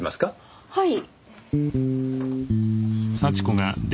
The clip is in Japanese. はい。